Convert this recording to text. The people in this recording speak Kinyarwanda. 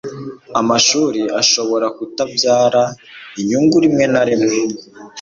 amashuri ashobora kutabyara inyungu rimwe na rimwe